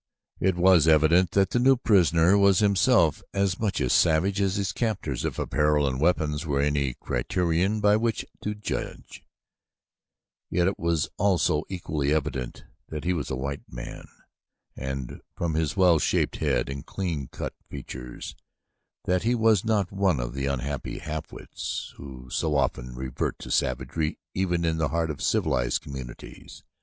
It was evident that the new prisoner was himself as much a savage as his captors if apparel and weapons were any criterion by which to judge; yet it was also equally evident that he was a white man and from his well shaped head and clean cut features that he was not one of those unhappy halfwits who so often revert to savagery even in the heart of civilized communities.